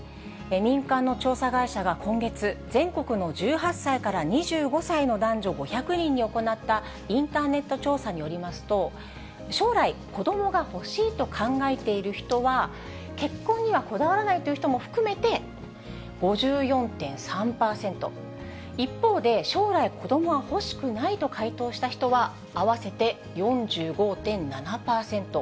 民間の調査会社が今月、全国の１８歳から２５歳の男女５００人に行ったインターネット調査によりますと、将来、子どもが欲しいと考えている人は、結婚にはこだわらないという人も含めて５４．３％、一方で、将来、子どもは欲しくないと回答した人は、合わせて４５．７％。